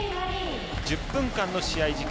１０分間の試合時間。